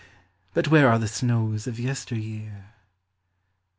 But where are the snows of yester year